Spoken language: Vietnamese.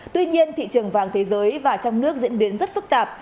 tuy nhiên thị trường vàng thế giới và trong nước diễn biến rất phức tạp